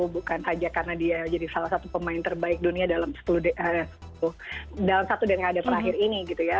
bukan saja karena dia jadi salah satu pemain terbaik dunia dalam satu derby yang ada di perakhir ini